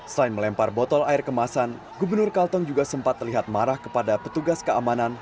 selain melempar botol air kemasan gubernur kalteng juga sempat terlihat marah kepada petugas keamanan